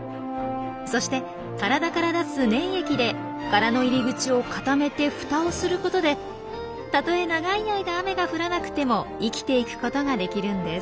そして体から出す粘液で殻の入り口を固めて蓋をすることでたとえ長い間雨が降らなくても生きていくことができるんです。